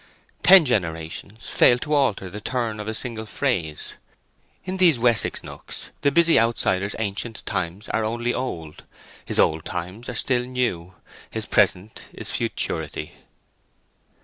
Ten generations failed to alter the turn of a single phrase. In these Wessex nooks the busy outsider's ancient times are only old; his old times are still new; his present is futurity.